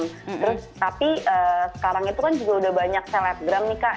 terus tapi sekarang itu kan juga udah banyak selebgram nih kak